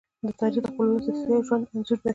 تاریخ د خپل ولس د سیاسي ژوند انځور دی.